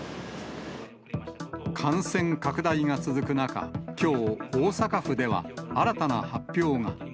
感染拡大が続く中、きょう、大阪府では新たな発表が。